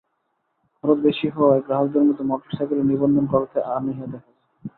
খরচ বেশি হওয়ায় গ্রাহকদের মধ্যে মোটরসাইকেলের নিবন্ধন করাতে অনীহা দেখা যায়।